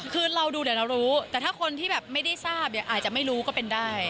คือเราดูเดี๋ยวเรารู้แต่ถ้าคนที่แบบไม่ได้ทราบเนี่ยอาจจะไม่รู้ก็เป็นได้